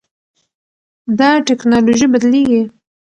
دا ټکنالوژي بدلېږي.